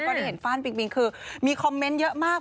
ได้เห็นฟ่านปิงปิงคือมีคอมเมนต์เยอะมาก